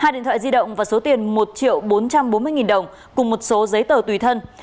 hai điện thoại di động và số tiền một triệu bốn trăm bốn mươi đồng cùng một số giấy tờ tùy thân